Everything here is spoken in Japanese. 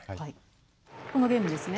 このゲームですね？